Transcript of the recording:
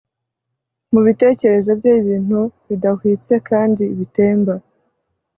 Mubitekerezo bye ibintu bidahwitse kandi bitemba